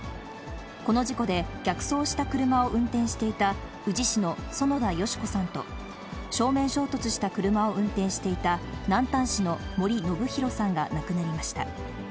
この事故で、逆走した車を運転していた宇治市の園田佳子さんと、正面衝突した車を運転していた、南丹市の森伸広さんが亡くなりました。